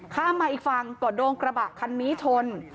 ข้ามมาอีกฝั่งก็โดนกระบะคันนี้ชน